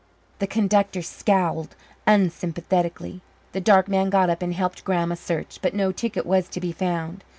The conductor scowled unsympathetically. The dark man got up and helped Grandma search, but no ticket was to be found.